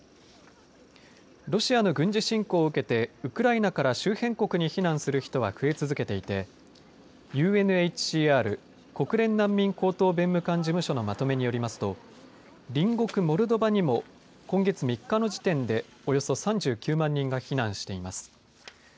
ロシアの軍事侵攻を受けてウクライナから周辺国に避難する人は増え続けていてＵＮＨＣＲ、国連難民高等弁務官事務所のまとめによりますと隣国モルドバにも今月３日の時点でおよそ３９万人が避難しています。